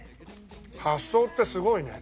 発想ってすごいね。